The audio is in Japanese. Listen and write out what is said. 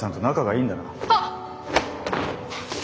あっ！